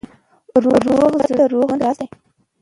روغ زړه د روغ ژوند راز دی.